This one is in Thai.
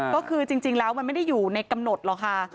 ก็คือจริงแล้วมันไม่ได้อยู่ในกำหนดหรอกค่ะ